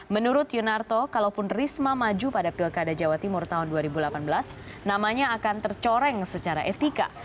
menurut yunarto kalaupun risma maju pada pilkada jawa timur tahun dua ribu delapan belas namanya akan tercoreng secara etika